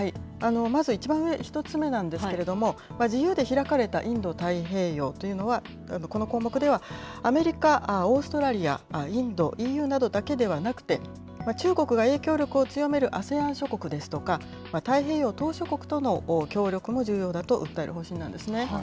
まず１番上、１つ目なんですけれども、自由で開かれたインド太平洋というのは、この項目では、アメリカ、オーストラリア、インド、ＥＵなどだけではなくて、中国が影響力を強めるＡＳＥＡＮ諸国ですとか、太平洋島しょ国との協力も重要だと訴える方針なんですね。